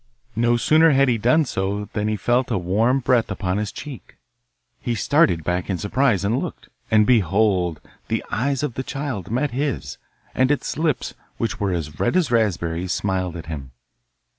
No sooner had he done so than he felt a warm breath upon his cheek. He started back in surprise and looked and behold! the eyes of the child met his, and its lips, which were as red as raspberries, smiled at him!